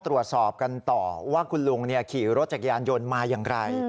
ตรวจสอบกันต่อว่าคุณลุงขี่รถจักรยานยนต์มาอย่างไร